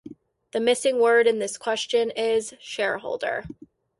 The missing word in this question is "shareholder".